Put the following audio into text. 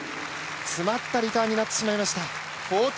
詰まったリターンになってしまいました。